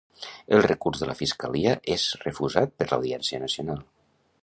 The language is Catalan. El recurs de la fiscalia és refusat per l'Audiència Nacional.